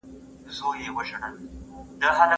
د ماشوم د لاس سوځېدنه سمدستي يخه کړئ.